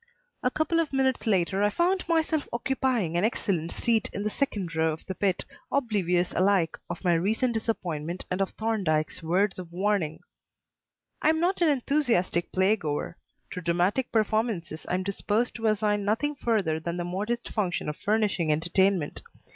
A couple of minutes later I found myself occupying an excellent seat in the second row of the pit, oblivious alike of my recent disappointment and of Thorndyke's words of warning. I am not an enthusiastic play goer. To dramatic performances I am disposed to assign nothing further than the modest function of furnishing entertainment.